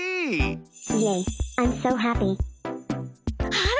あら！